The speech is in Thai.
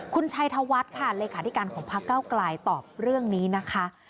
คุณชัยธวัฒน์ค่ะเลขาธิการของพักเก้าไกลตอบเรื่องนี้นะคะ